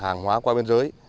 hàng hóa qua biên giới